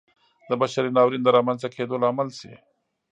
د بشري ناورین د رامنځته کېدو لامل شي.